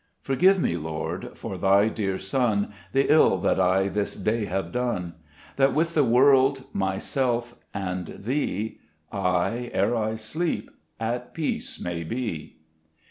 2 Forgive me, Lord, for Thy dear Son, The ill that I this day have done ; That with the world, myself, and Thee, I, ere I sleep, at peace may be.